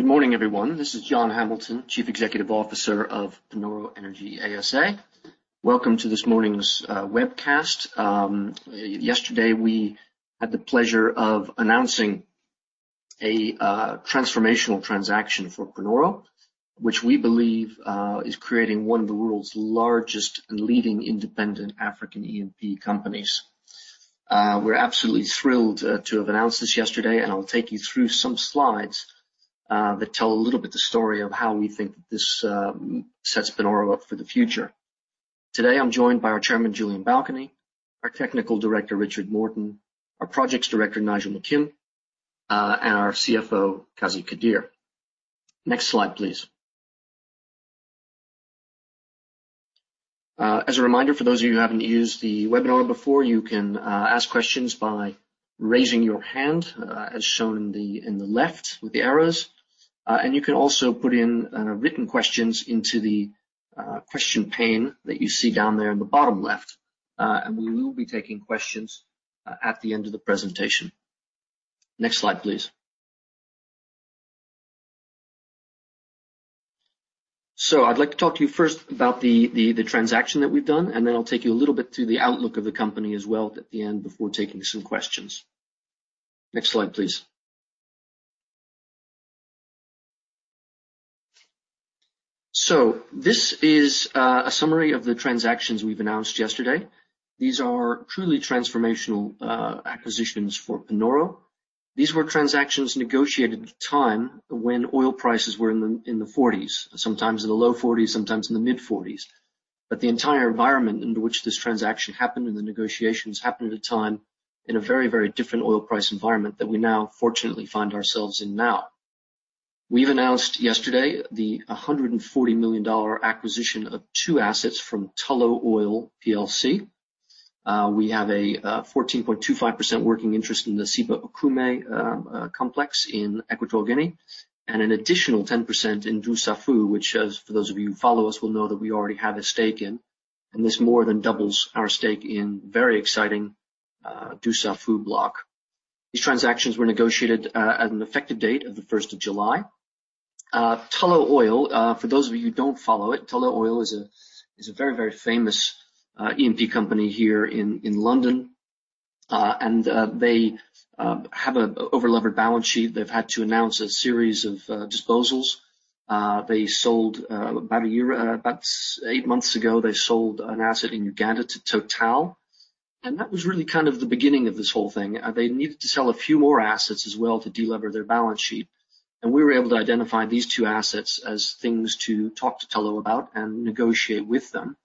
Good morning, everyone. This is John Hamilton, Chief Executive Officer of Panoro Energy ASA. Welcome to this morning's webcast. Yesterday, we had the pleasure of announcing a transformational transaction for Panoro, which we believe is creating one of the world's largest and leading independent African E&P companies. We're absolutely thrilled to have announced this yesterday. I'll take you through some slides that tell a little bit the story of how we think that this sets Panoro up for the future. Today, I'm joined by our Chairman, Julien Balkany, our Technical Director, Richard Morton, our Projects Director, Nigel McKim, and our CFO, Qazi Qadeer. Next slide, please. As a reminder, for those of you who haven't used the webinar before, you can ask questions by raising your hand, as shown in the left with the arrows. You can also put in written questions into the question pane that you see down there in the bottom left. We will be taking questions at the end of the presentation. Next slide, please. I'd like to talk to you first about the transaction that we've done, and then I'll take you a little bit through the outlook of the company as well at the end before taking some questions. Next slide, please. This is a summary of the transactions we've announced yesterday. These are truly transformational acquisitions for Panoro. These were transactions negotiated at a time when oil prices were in the 40s, sometimes in the low 40s, sometimes in the mid-40s. The entire environment in which this transaction happened and the negotiations happened at a time in a very, very different oil price environment that we now fortunately find ourselves in now. We've announced yesterday the $140 million acquisition of two assets from Tullow Oil plc. We have a 14.25% working interest in the Ceiba-Okume Complex in Equatorial Guinea and an additional 10% in Dussafu, which, for those of you who follow us will know that we already have a stake in, this more than doubles our stake in very exciting Dussafu block. These transactions were negotiated at an effective date of the first of July. Tullow Oil, for those of you who don't follow it, Tullow Oil is a very, very famous E&P company here in London. They have an over-levered balance sheet. They've had to announce a series of disposals. About eight months ago, they sold an asset in Uganda to Total, that was really kind of the beginning of this whole thing. They needed to sell a few more assets as well to de-lever their balance sheet, and we were able to identify these two assets as things to talk to Tullow about and negotiate with them.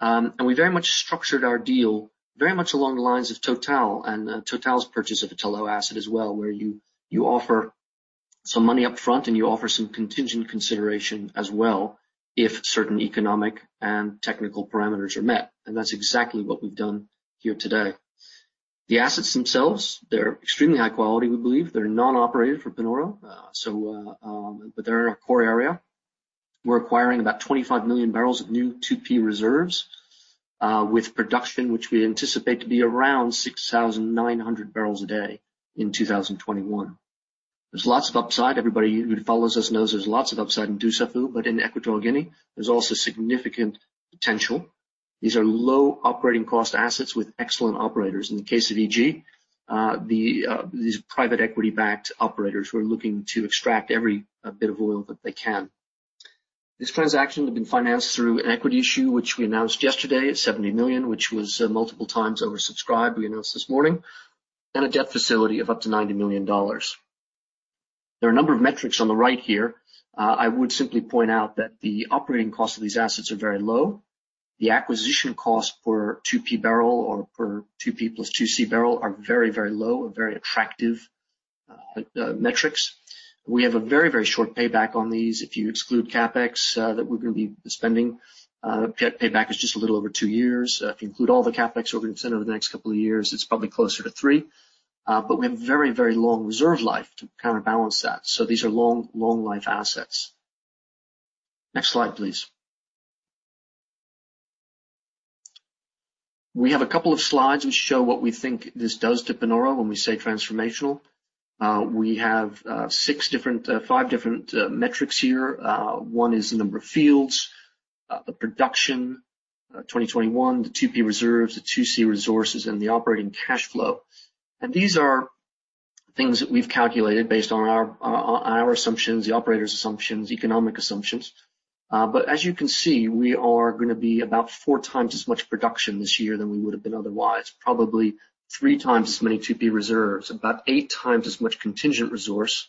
We very much structured our deal very much along the lines of Total and Total's purchase of a Tullow asset as well, where you offer some money up front and you offer some contingent consideration as well if certain economic and technical parameters are met. That's exactly what we've done here today. The assets themselves, they're extremely high quality, we believe. They're non-operated for Panoro. They're in our core area. We're acquiring about 25 million barrels of new 2P reserves, with production which we anticipate to be around 6,900 bbl a day in 2021. There's lots of upside. Everybody who follows us knows there's lots of upside in Dussafu, but in Equatorial Guinea, there's also significant potential. These are low operating cost assets with excellent operators. In the case of EG, these private equity-backed operators who are looking to extract every bit of oil that they can. This transaction had been financed through an equity issue, which we announced yesterday at $70 million, which was multiple times oversubscribed, we announced this morning, and a debt facility of up to $90 million. There are a number of metrics on the right here. I would simply point out that the operating cost of these assets are very low. The acquisition cost per 2P barrel or per 2P plus 2C barrel are very, very low and very attractive metrics. We have a very, very short payback on these. If you exclude CapEx that we're going to be spending, payback is just a little over two years. If you include all the CapEx we're going to spend over the next couple of years, it's probably closer to three. We have very, very long reserve life to kind of balance that. These are long life assets. Next slide, please. We have a couple of slides which show what we think this does to Panoro when we say transformational. We have five different metrics here. One is the number of fields, the production, 2021, the 2P reserves, the 2C resources, and the operating cash flow. These are things that we've calculated based on our assumptions, the operators' assumptions, economic assumptions. As you can see, we are going to be about four times as much production this year than we would have been otherwise. Probably three times as many 2P reserves, about eight times as much contingent resource,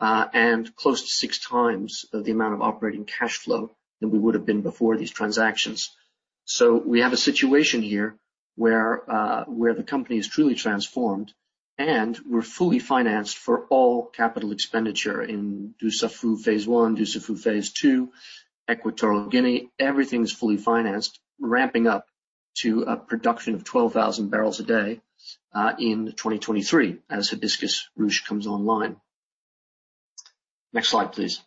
and close to six times the amount of operating cash flow than we would have been before these transactions. We have a situation here where the company is truly transformed and we're fully financed for all capital expenditure in Dussafu Phase One, Dussafu Phase Two, Equatorial Guinea. Everything's fully financed, ramping up to a production of 12,000 bbl a day in 2023 as Hibiscus/Ruche comes online. Next slide, please.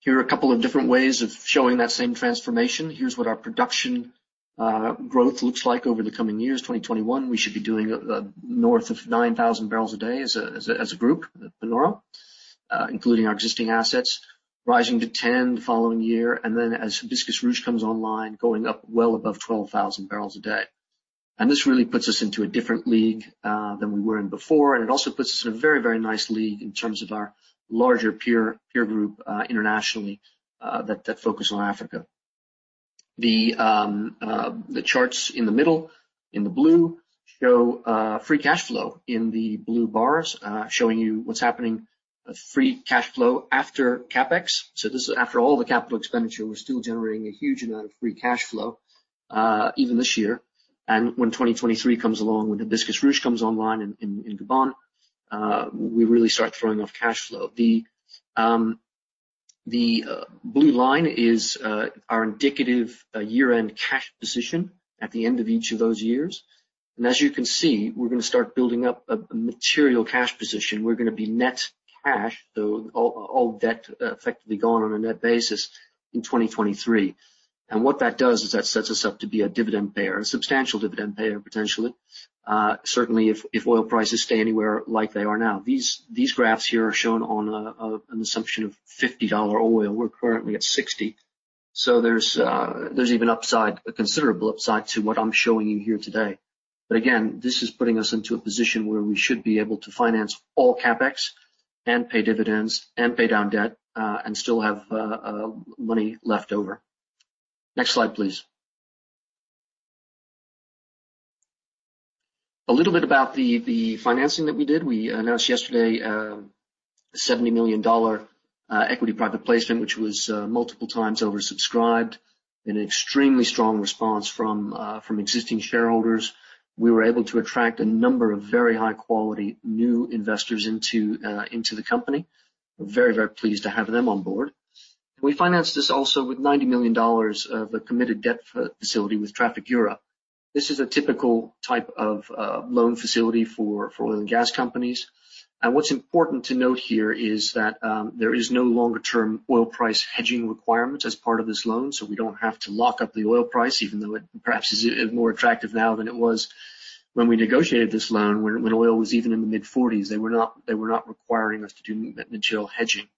Here are a couple of different ways of showing that same transformation. Here's what our production growth looks like over the coming years. 2021, we should be doing north of 9,000 bbl a day as a group at Panoro, including our existing assets, rising to 10 the following year, and then as Hibiscus/Ruche comes online, going up well above 12,000 bbl a day. This really puts us into a different league than we were in before. It also puts us in a very, very nice league in terms of our larger peer group internationally, that focus on Africa. The charts in the middle, in the blue, show free cash flow in the blue bars, showing you what's happening with free cash flow after CapEx. This is after all the capital expenditure, we're still generating a huge amount of free cash flow even this year. When 2023 comes along, when Hibiscus Ruche comes online in Gabon, we really start throwing off cash flow. The blue line is our indicative year-end cash position at the end of each of those years. As you can see, we're going to start building up a material cash position. We're going to be net cash, so all debt effectively gone on a net basis in 2023. What that does is that sets us up to be a dividend payer, a substantial dividend payer, potentially. Certainly if oil prices stay anywhere like they are now. These graphs here are shown on an assumption of $50 oil. We're currently at $60. There's even upside, a considerable upside to what I'm showing you here today. Again, this is putting us into a position where we should be able to finance all CapEx and pay dividends and pay down debt and still have money left over. Next slide, please. A little bit about the financing that we did. We announced yesterday a $70 million equity private placement, which was multiple times oversubscribed in an extremely strong response from existing shareholders. We were able to attract a number of very high-quality new investors into the company. We're very pleased to have them on board. We financed this also with $90 million of a committed debt facility with Trafigura. This is a typical type of loan facility for oil and gas companies. What's important to note here is that there is no longer-term oil price hedging requirement as part of this loan, so we don't have to lock up the oil price, even though it perhaps is more attractive now than it was when we negotiated this loan when oil was even in the mid-40s. They were not requiring us to do material hedging.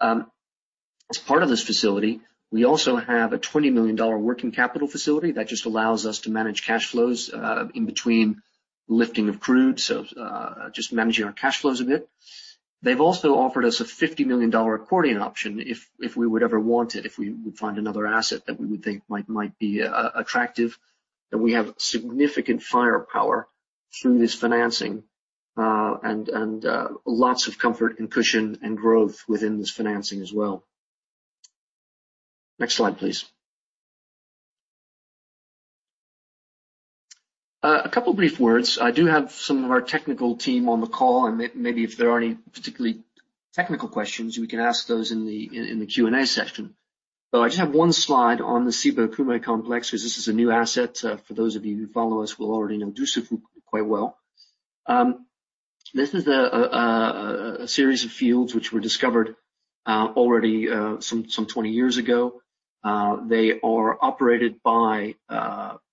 As part of this facility, we also have a $20 million working capital facility that just allows us to manage cash flows in between lifting of crude. Just managing our cash flows a bit. They've also offered us a $50 million accordion option, if we would ever want it, if we would find another asset that we would think might be attractive. That we have significant firepower through this financing, and lots of comfort and cushion and growth within this financing as well. Next slide, please. A couple of brief words. I do have some of our technical team on the call, and maybe if there are any particularly technical questions, we can ask those in the Q&A session. I just have one slide on the Ceiba-Okume Complex because this is a new asset. For those of you who follow us will already know Dussafu quite well. This is a series of fields which were discovered already some 20 years ago. They are operated by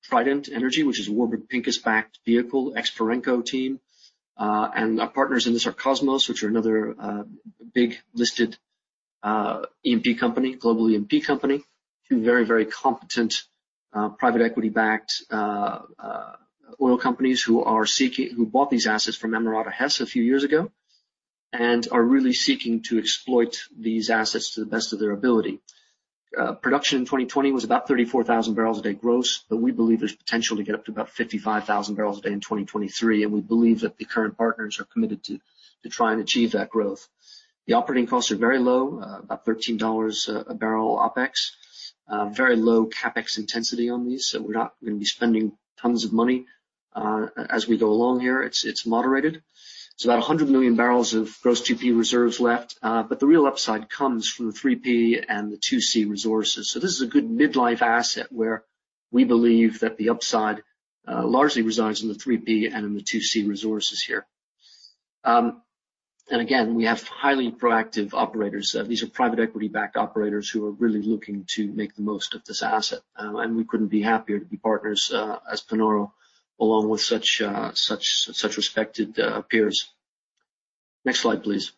Trident Energy, which is a Warburg Pincus-backed vehicle, ex-Perenco team. Our partners in this are Kosmos, which are another big listed E&P company, global E&P company. Two very, very competent private equity-backed oil companies who bought these assets from Amerada Hess a few years ago, and are really seeking to exploit these assets to the best of their ability. Production in 2020 was about 34,000 bbl a day gross, but we believe there's potential to get up to about 55,000 barrels a day in 2023, and we believe that the current partners are committed to try and achieve that growth. The operating costs are very low, about $13 a barrel OpEx. Very low CapEx intensity on these. We're not going to be spending tons of money as we go along here. It's moderated. It's about 100 million barrels of gross 2P reserves left. The real upside comes from the 3P and the 2C resources. This is a good mid-life asset where we believe that the upside largely resides in the 3P and in the 2C resources here. Again, we have highly proactive operators. These are private equity-backed operators who are really looking to make the most of this asset. We couldn't be happier to be partners as Panoro, along with such respected peers. Next slide, please.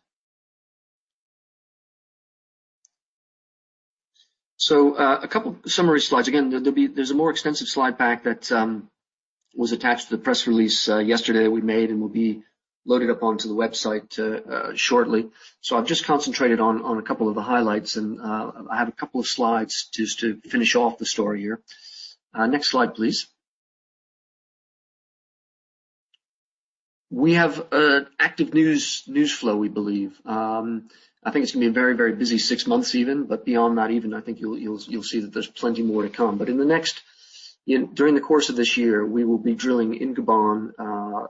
A couple summary slides. Again, there's a more extensive slide pack that was attached to the press release yesterday we made and will be loaded up onto the website shortly. I've just concentrated on a couple of the highlights and I have a couple of slides just to finish off the story here. Next slide, please. We have an active news flow, we believe. I think it's going to be a very, very busy six months even, but beyond that, even I think you'll see that there's plenty more to come. In the next During the course of this year, we will be drilling in Gabon,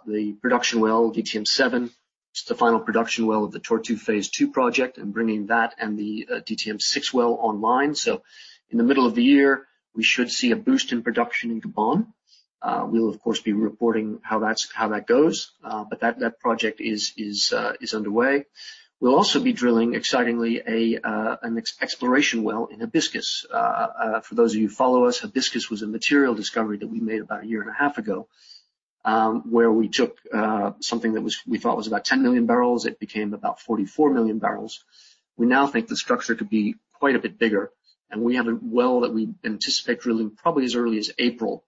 the production well, DTM-07. It's the final production well of the Tortue Phase 2 project and bringing that and the DTM-06 well online. In the middle of the year, we should see a boost in production in Gabon.We'll, of course, be reporting how that goes. That project is underway. We'll also be drilling, excitingly, an exploration well in Hibiscus. For those of you who follow us, Hibiscus was a material discovery that we made about a year and a half ago, where we took something that we thought was about 10 million barrels, it became about 44 million barrels. We now think the structure could be quite a bit bigger, and we have a well that we anticipate drilling probably as early as April,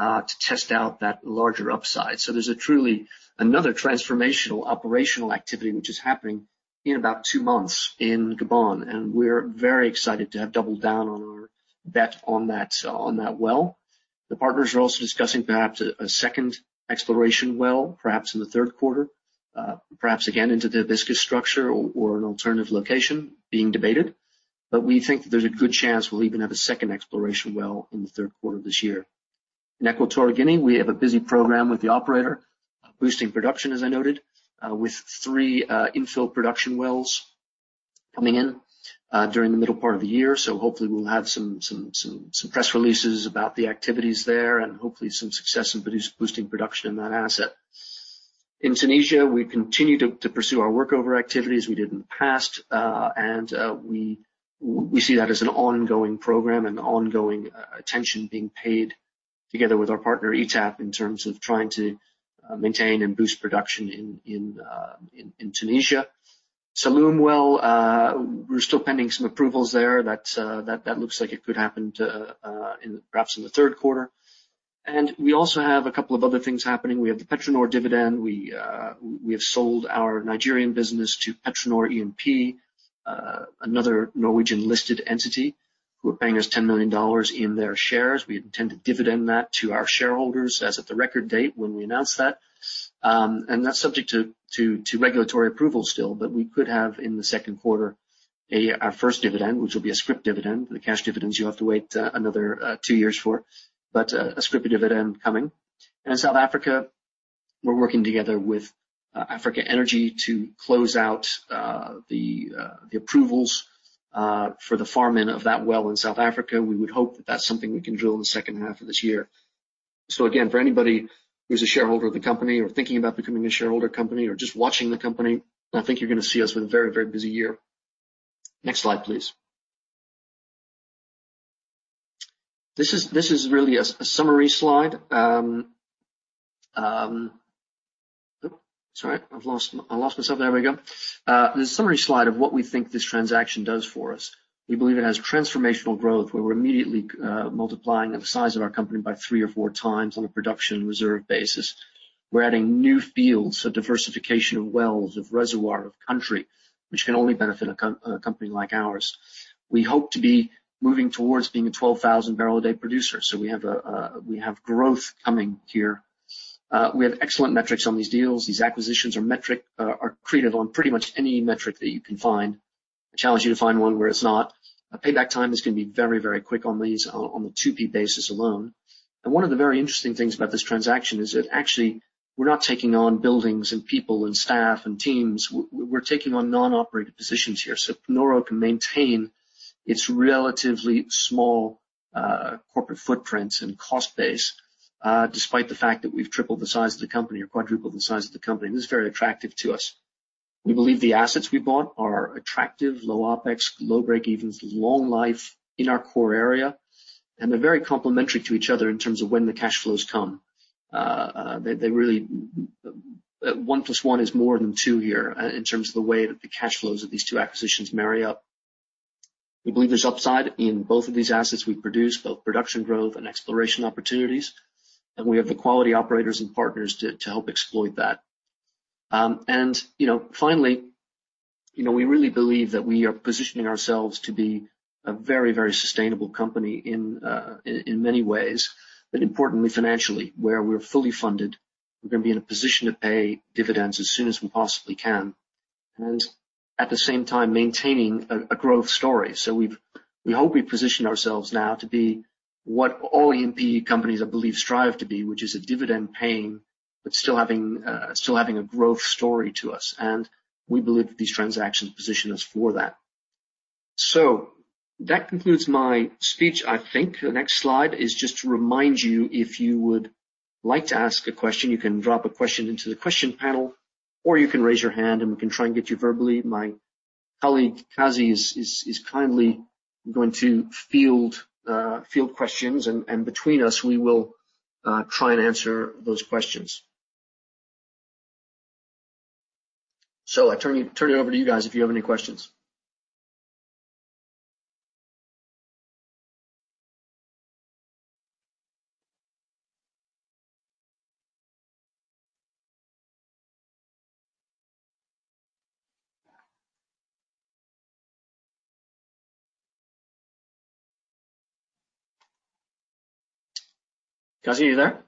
to test out that larger upside. There's truly another transformational operational activity, which is happening in about two months in Gabon, and we're very excited to have doubled down on our bet on that well. The partners are also discussing perhaps a second exploration well, perhaps in the third quarter, perhaps again into the Hibiscus structure or an alternative location being debated. We think that there's a good chance we'll even have a second exploration well in the third quarter of this year. In Equatorial Guinea, we have a busy program with the operator, boosting production, as I noted, with three infill production wells coming in during the middle part of the year. Hopefully we'll have some press releases about the activities there and hopefully some success in boosting production in that asset. In Tunisia, we continue to pursue our workover activities we did in the past. We see that as an ongoing program and ongoing attention being paid together with our partner, ETAP, in terms of trying to maintain and boost production in Tunisia. Salloum Well, we're still pending some approvals there. That looks like it could happen perhaps in the third quarter. We also have a couple of other things happening. We have the PetroNor dividend. We have sold our Nigerian business to PetroNor E&P, another Norwegian-listed entity, who are paying us $10 million in their shares. We intend to dividend that to our shareholders as of the record date when we announce that. That's subject to regulatory approval still, but we could have, in the second quarter, our first dividend, which will be a scrip dividend. The cash dividends, you'll have to wait another two years for. A scrip dividend coming. In South Africa, we're working together with Africa Energy to close out the approvals for the farm-in of that well in South Africa. We would hope that that's something we can drill in the second half of this year. Again, for anybody who's a shareholder of the company or thinking about becoming a shareholder of the company or just watching the company, I think you're going to see us with a very busy year. Next slide, please. This is really a summary slide. Sorry, I lost myself. There we go. The summary slide of what we think this transaction does for us. We believe it has transformational growth, where we're immediately multiplying the size of our company by three or four times on a production reserve basis. Diversification of wells, of reservoir, of country, which can only benefit a company like ours. We hope to be moving towards being a 12,000-barrel-a-day producer. We have growth coming here. We have excellent metrics on these deals. These acquisitions are created on pretty much any metric that you can find. I challenge you to find one where it's not. A payback time is going to be very, very quick on these on the 2P basis alone. One of the very interesting things about this transaction is that actually, we're not taking on buildings and people and staff and teams. We're taking on non-operated positions here. Panoro can maintain its relatively small corporate footprint and cost base, despite the fact that we've tripled the size of the company or quadrupled the size of the company. This is very attractive to us. We believe the assets we bought are attractive, low OpEx, low break evens, long life in our core area, and they're very complementary to each other in terms of when the cash flows come. One plus one is more than two here in terms of the way that the cash flows of these two acquisitions marry up. We believe there's upside in both of these assets we produce, both production growth and exploration opportunities, and we have the quality operators and partners to help exploit that. Finally, we really believe that we are positioning ourselves to be a very, very sustainable company in many ways, but importantly financially, where we're fully funded. We're going to be in a position to pay dividends as soon as we possibly can and at the same time maintaining a growth story. We hope we position ourselves now to be what all E&P companies, I believe, strive to be, which is a dividend-paying, but still having a growth story to us. We believe that these transactions position us for that. That concludes my speech, I think. The next slide is just to remind you, if you would like to ask a question, you can drop a question into the question panel, or you can raise your hand, and we can try and get you verbally. My colleague, Qazi, is kindly going to field questions, and between us, we will try and answer those questions. I turn it over to you guys if you have any questions. Qazi, are you there?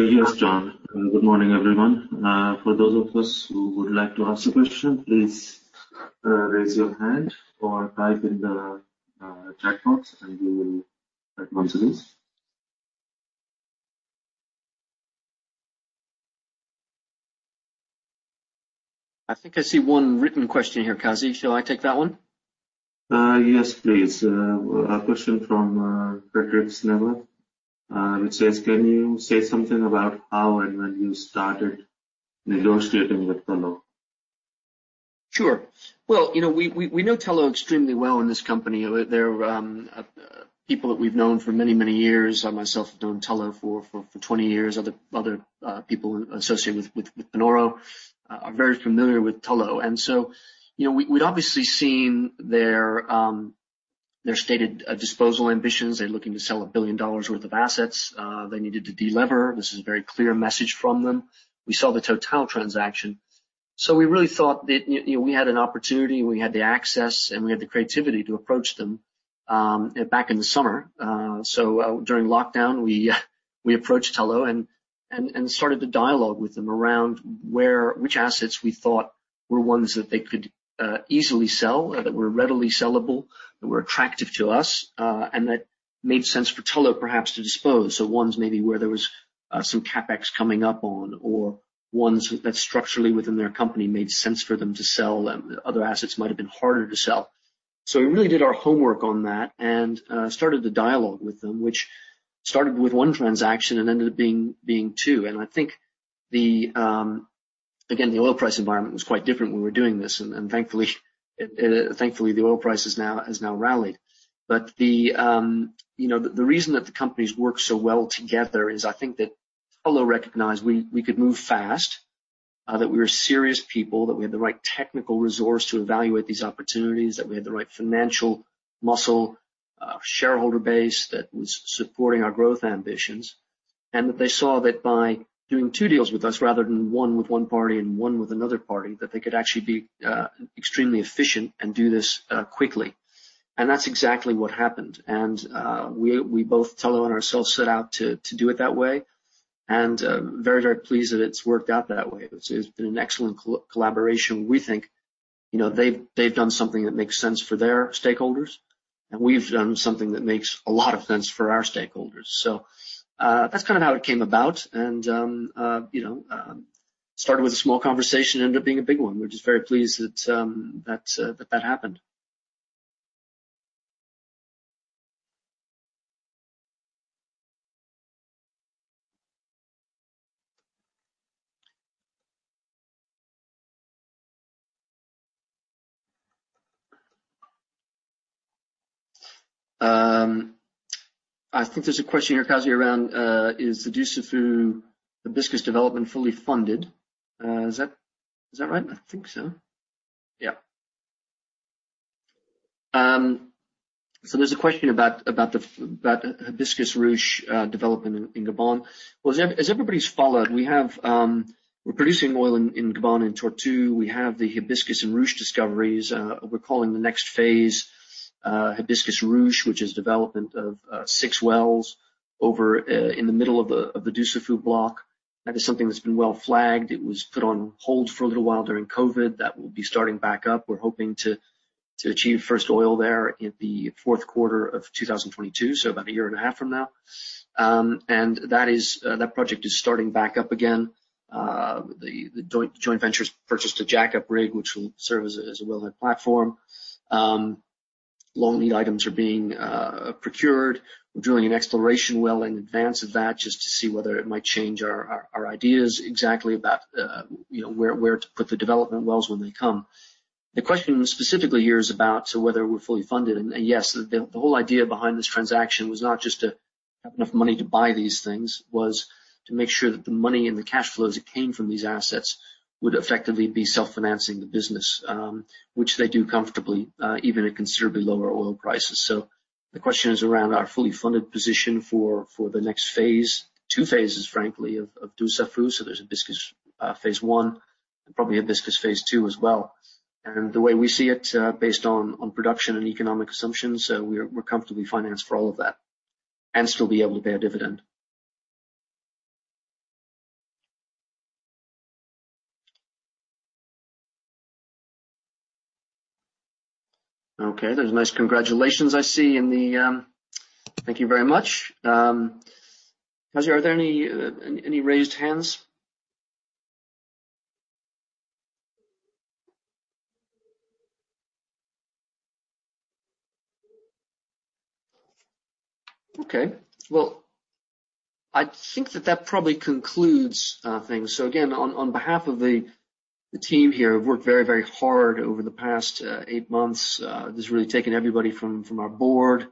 Yes, John. Good morning, everyone. For those of us who would like to ask a question, please raise your hand or type in the chat box and we will acknowledge this. I think I see one written question here, Qazi. Shall I take that one? Yes, please. A question from Frederick Sneller, it says, "Can you say something about how and when you started negotiating with Tullow? Sure. Well, we know Tullow extremely well in this company. They're people that we've known for many, many years. I myself have known Tullow for 20 years. Other people associated with Panoro are very familiar with Tullow. We'd obviously seen their stated disposal ambitions. They're looking to sell $1 billion worth of assets. They needed to de-lever. This is a very clear message from them. We saw the Total transaction. We really thought that we had an opportunity, we had the access, and we had the creativity to approach them back in the summer. During lockdown, we approached Tullow and started the dialogue with them around which assets we thought were ones that they could easily sell or that were readily sellable, that were attractive to us, and that made sense for Tullow perhaps to dispose. Ones maybe where there was some CapEx coming up on or ones that structurally within their company made sense for them to sell, and other assets might have been harder to sell. We really did our homework on that and started the dialogue with them, which started with one transaction and ended up being two. I think, again, the oil price environment was quite different when we were doing this, and thankfully, the oil price has now rallied. The reason that the companies work so well together is I think that Tullow recognized we could move fast, that we were serious people, that we had the right technical resource to evaluate these opportunities, that we had the right financial muscle, shareholder base that was supporting our growth ambitions, and that they saw that by doing two deals with us rather than one with one party and one with another party, that they could actually be extremely efficient and do this quickly. That's exactly what happened. We both, Tullow and ourselves, set out to do it that way, and very, very pleased that it's worked out that way. It's been an excellent collaboration, we think. They've done something that makes sense for their stakeholders, and we've done something that makes a lot of sense for our stakeholders. That's kind of how it came about, and started with a small conversation, ended up being a big one. We're just very pleased that that happened. I think there's a question here, Qazi, around, is the Dussafu Hibiscus development fully funded? Is that right? I think so. Yeah. There's a question about Hibiscus Ruche development in Gabon. Well, as everybody's followed, we're producing oil in Gabon in Tortue. We have the Hibiscus and Ruche discoveries. We're calling the next phase Hibiscus Ruche, which is development of six wells over in the middle of the Dussafu block. That is something that's been well flagged. It was put on hold for a little while during COVID. That will be starting back up. We're hoping to achieve first oil there in the fourth quarter of 2022, so about a year and a half from now. That project is starting back up again. The joint ventures purchased a jack-up rig, which will serve as a wellhead platform. Long lead items are being procured. We're drilling an exploration well in advance of that just to see whether it might change our ideas exactly about where to put the development wells when they come. The question specifically here is about, so whether we're fully funded. Yes, the whole idea behind this transaction was not just to have enough money to buy these things, was to make sure that the money and the cash flows that came from these assets would effectively be self-financing the business, which they do comfortably, even at considerably lower oil prices. The question is around our fully funded position for the next phase, two phases, frankly, of Dussafu. There's Hibiscus Phase One and probably Hibiscus Phase Two as well. The way we see it, based on production and economic assumptions, we're comfortably financed for all of that and still be able to pay a dividend. There's a nice congratulations I see in the Thank you very much. Qazi, are there any raised hands? I think that probably concludes things. Again, on behalf of the team here, who've worked very, very hard over the past eight months. This has really taken everybody from our board,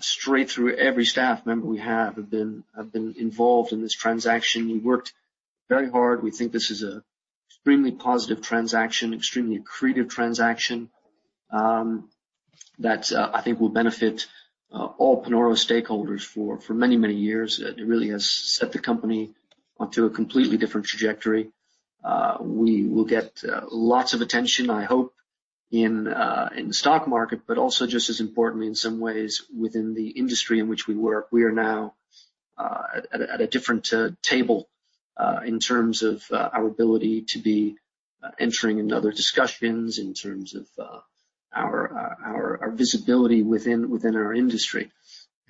straight through every staff member we have been involved in this transaction. We worked very hard. We think this is an extremely positive transaction, extremely accretive transaction, that I think will benefit all Panoro stakeholders for many, many years. It really has set the company onto a completely different trajectory. We will get lots of attention, I hope, in the stock market, but also just as importantly, in some ways, within the industry in which we work. We are now at a different table, in terms of our ability to be entering into other discussions in terms of our visibility within our industry.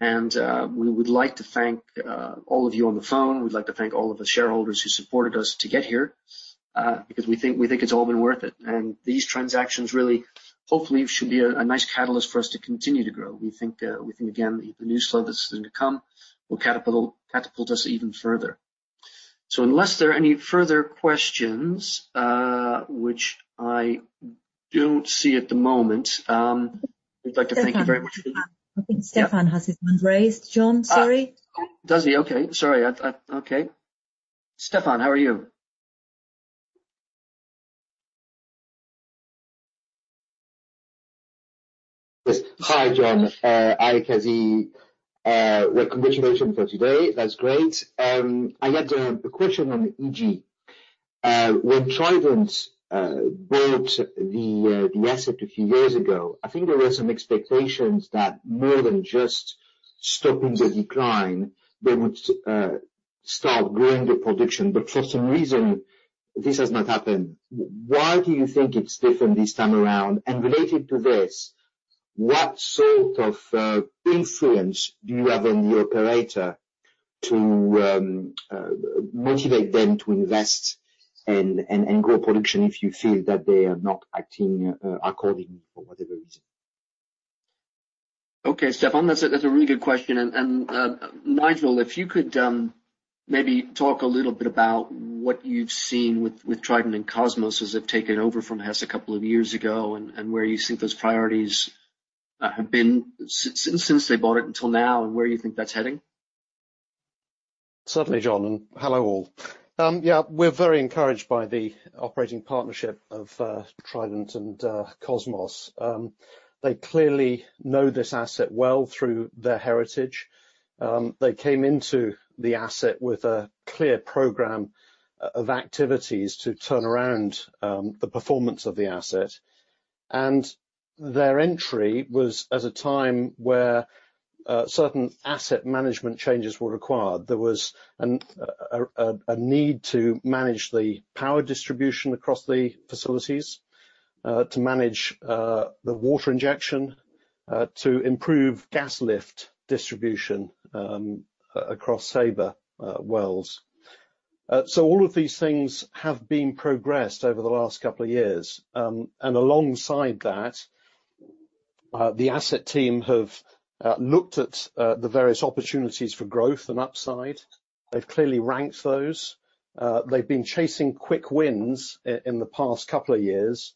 We would like to thank all of you on the phone. We'd like to thank all of the shareholders who supported us to get here, because we think it's all been worth it. These transactions really, hopefully, should be a nice catalyst for us to continue to grow. We think, again, the news flow that's going to come will catapult us even further. Unless there are any further questions, which I don't see at the moment, we'd like to thank you very much for- Stephane. I think Stephane has his hand raised, John. Sorry. Does he? Okay. Sorry. Okay. Stéphane, how are you? Yes. Hi, John. Alec Aziz. Well, congratulations for today. That's great. I had a question on EG. When Trident bought the asset a few years ago, I think there were some expectations that more than just stopping the decline, they would start growing the production. For some reason, this has not happened. Why do you think it's different this time around? Related to this, what sort of influence do you have on the operator to motivate them to invest and grow production if you feel that they are not acting accordingly for whatever reason? Okay, Stéphane. That's a really good question. Nigel, if you could maybe talk a little bit about what you've seen with Trident and Kosmos as they've taken over from Hess a couple of years ago, and where you think those priorities have been since they bought it until now, and where you think that's heading. Certainly, John. Hello, all. Yeah, we're very encouraged by the operating partnership of Trident and Kosmos. They clearly know this asset well through their heritage. They came into the asset with a clear program of activities to turn around the performance of the asset. Their entry was at a time where certain asset management changes were required. There was a need to manage the power distribution across the facilities, to manage the water injection, to improve gas lift distribution across Ceiba wells. All of these things have been progressed over the last couple of years. Alongside that, the asset team have looked at the various opportunities for growth and upside. They've clearly ranked those. They've been chasing quick wins in the past couple of years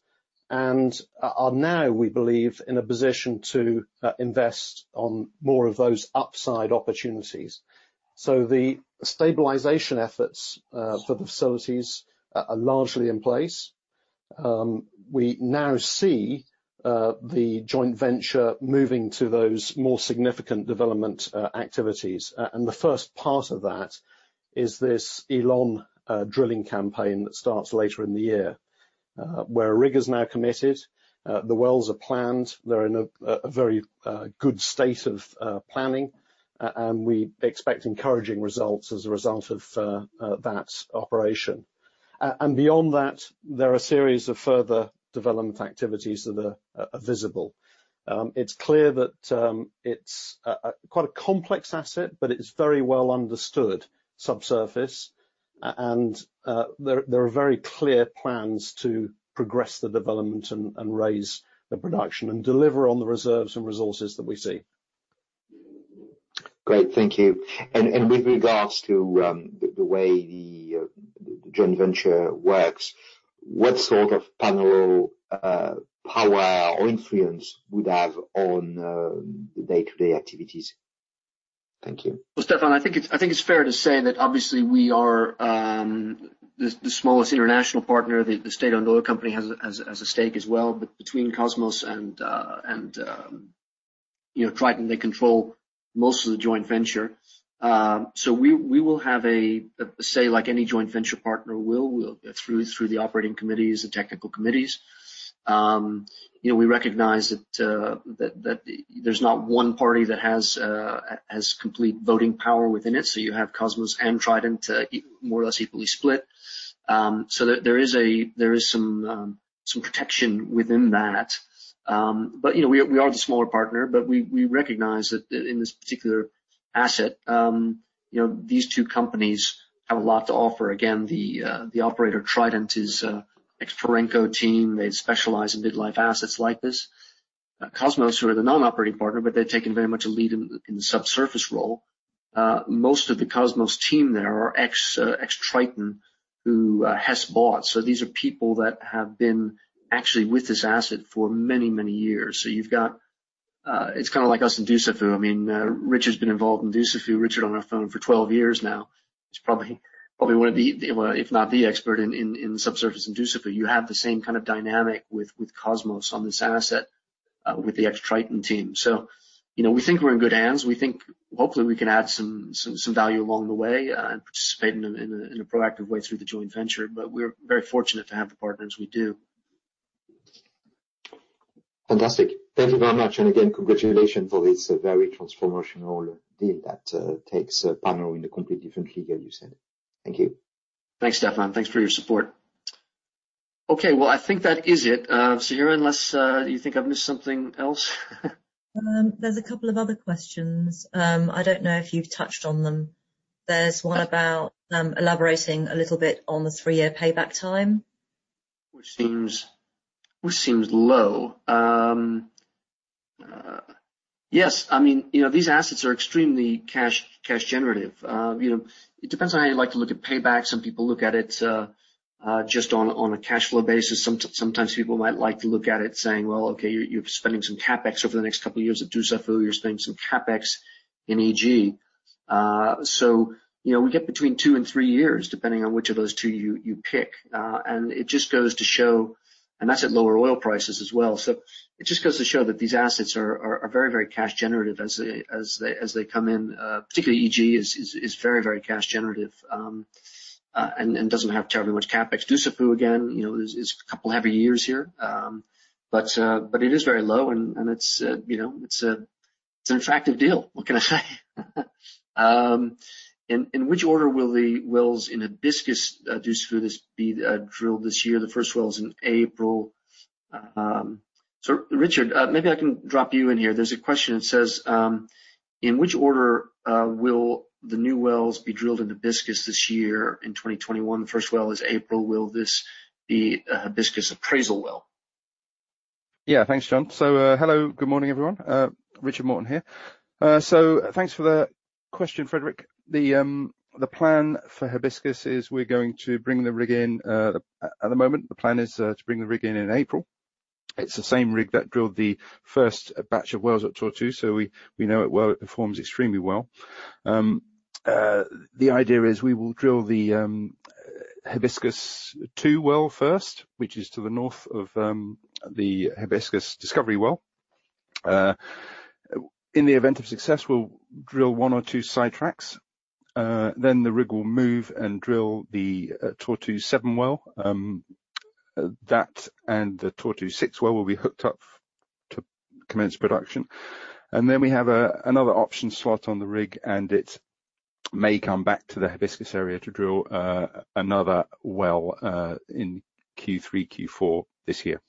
and are now, we believe, in a position to invest on more of those upside opportunities. The stabilization efforts for the facilities are largely in place. We now see the joint venture moving to those more significant development activities. The first part of that is this Elon drilling campaign that starts later in the year. Where a rig is now committed, the wells are planned. They're in a very good state of planning, and we expect encouraging results as a result of that operation. Beyond that, there are a series of further development activities that are visible. It's clear that it's quite a complex asset, but it's very well understood subsurface. There are very clear plans to progress the development and raise the production and deliver on the reserves and resources that we see. Great. Thank you. With regards to the way the joint venture works, what sort of Panoro power or influence would have on the day-to-day activities? Thank you. Well, Stéphane, I think it's fair to say that obviously we are the smallest international partner. The state-owned oil company has a stake as well, between Kosmos and Trident, they control most of the joint venture. We will have a say like any joint venture partner will, through the operating committees, the technical committees. We recognize that there's not one party that has complete voting power within it. You have Kosmos and Trident more or less equally split. There is some protection within that. We are the smaller partner, but we recognize that in this particular asset, these two companies have a lot to offer. Again, the operator, Trident, is an ex-Perenco team. They specialize in mid-life assets like this. Kosmos, who are the non-operating partner, but they're taking very much a lead in the subsurface role. Most of the Kosmos team there are ex-Triton who Hess bought. These are people that have been actually with this asset for many, many years. You've got It's kind of like us in Dussafu. I mean, Richard has been involved in Dussafu, Richard on our phone, for 12 years now. He's probably one of the, if not the expert in the subsurface in Dussafu. You have the same kind of dynamic with Kosmos on this asset, with the ex-Triton team. We think we're in good hands. We think hopefully we can add some value along the way and participate in a proactive way through the joint venture. We're very fortunate to have the partners we do. Fantastic. Thank you very much. Again, congratulations for this very transformational deal that takes Panoro in a completely different league, as you said. Thank you. Thanks, Stephane. Thanks for your support. Okay, well, I think that is it. Sarah, unless you think I've missed something else? There's a couple of other questions. I don't know if you've touched on them. There's one about elaborating a little bit on the three-year payback time. Which seems low. Yes, these assets are extremely cash generative. It depends on how you like to look at payback. Some people look at it just on a cash flow basis. Sometimes people might like to look at it saying, "Well, okay, you're spending some CapEx over the next couple of years at Dussafu, you're spending some CapEx in E.G." We get between two and three years, depending on which of those two you pick. That's at lower oil prices as well. It just goes to show that these assets are very cash generative as they come in. Particularly E.G. is very cash generative, and doesn't have terribly much CapEx. Dussafu, again, is a couple heavier years here. It is very low, and it's an attractive deal. What can I say? In which order will the wells in Hibiscus Dussafu be drilled this year? The first well is in April. Richard, maybe I can drop you in here. There is a question that says, "In which order will the new wells be drilled in Hibiscus this year in 2021? The first well is April. Will this be a Hibiscus appraisal well? Thanks, John. Hello, good morning, everyone. Richard Morton here. Thanks for the question, Frederick. The plan for Hibiscus is we're going to bring the rig in. At the moment, the plan is to bring the rig in in April. It's the same rig that drilled the first batch of wells at Tortue, we know it well. It performs extremely well. The idea is we will drill the Hibiscus two well first, which is to the north of the Hibiscus discovery well. In the event of success, we'll drill one or two sidetracks. The rig will move and drill the Tortue seven well. That and the Tortue six well will be hooked up to commence production. We have another option slot on the rig, and it may come back to the Hibiscus area to drill another well in Q3, Q4 this year.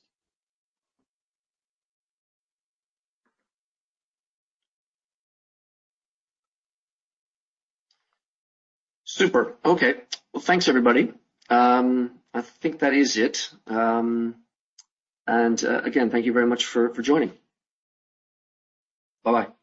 Super. Okay. Well, thanks, everybody. I think that is it. Again, thank you very much for joining. Bye-bye.